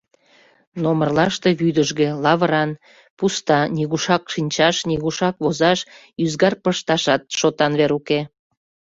Номырлаште вӱдыжгӧ, лавыран, пуста: нигушак шинчаш, нигушак возаш, ӱзгар пышташат шотан вер уке.